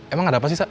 emang ada apa sih sak